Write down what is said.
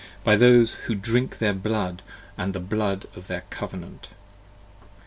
67 BY those who drink their blood & the blood of their Covenant.